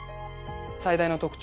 最大の特徴